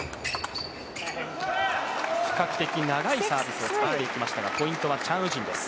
比較的長いサービスを使っていきましたがポイントはチャン・ウジンです。